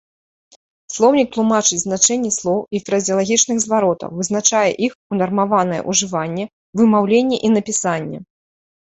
Слоўнік тлумачыць значэнні слоў і фразеалагічных зваротаў, вызначае іх унармаванае ўжыванне, вымаўленне і напісанне.